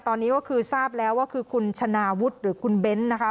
ตอนนี้ก็คือทราบแล้วว่าคือคุณชนะวุฒิหรือคุณเบ้นนะคะ